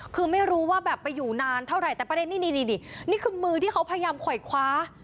คือไม่รู้ว่าแบบไปอยู่นานเท่าไหร่แต่ประเด็นนี้นี่นี่คือมือที่เขาพยายามค่อยคว้า